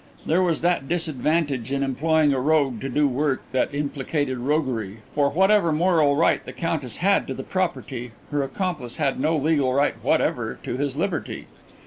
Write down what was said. There was that disadvantage in employing a rogue to do work that implicated roguery, for whatever moral right the Countess had to the property, her accomplice had no legal right whatever to his liberty.